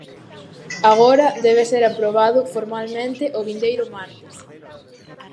Agora debe ser aprobado formalmente o vindeiro martes.